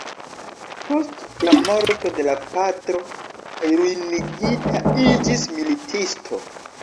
Post la morto de la patro kaj ruinigita, iĝis militisto.